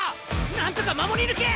なんとか守り抜け！